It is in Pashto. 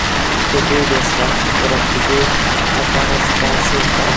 د بوی د حس د ورکیدو لپاره باید څه وکړم؟